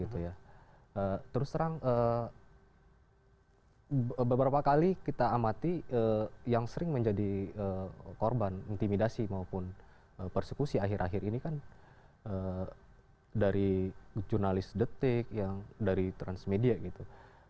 terus terang beberapa kali kita amati yang sering menjadi korban intimidasi maupun persekusi akhir akhir ini kan dari jurnalis detik yang dari transmedia gitu